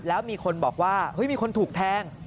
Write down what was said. แล้วมีคนบอกว่าเฮ้ยมีคนถูกแทง